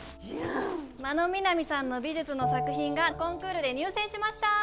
真野みなみさんの美術の作品がコンクールで入選しました！